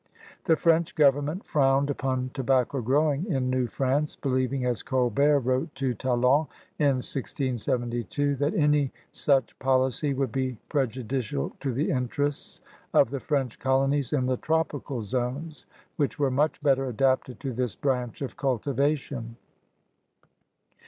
The French Government frowned upon tobacco growing in New France, believing, as Colbert wrote to Talon in 1672, that any such policy would be prejudicial to the interests of the French colonies in the tropical zones which were much better adapted to this branch of cultivation.